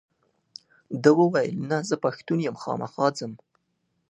ده وویل نه زه پښتون یم خامخا ځم.